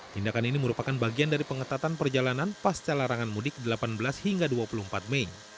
tindakan ini merupakan bagian dari pengetatan perjalanan pasca larangan mudik delapan belas hingga dua puluh empat mei